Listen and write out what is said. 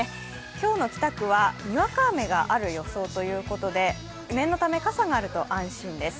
今日の北区はにわか雨がある予報ということで念のため傘があると安心です。